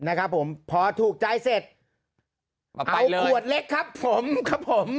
เอาขวดเล็กครับผม